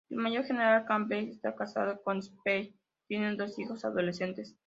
El Mayor general Campbell está casado con Stephanie y tienen dos hijos adolescentes.